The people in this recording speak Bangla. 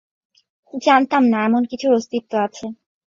জানতাম না এমন কিছুর অস্তিত্ব আছে।